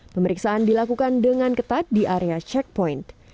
pemeriksaan dilakukan dengan ketat di area checkpoint